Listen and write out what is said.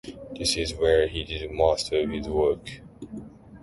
This is where he did most of his work.